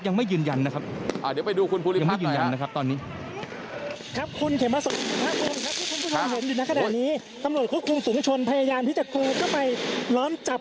เดี๋ยวไปดูคุณผู้รีบพรานต์หน่อยนะครับ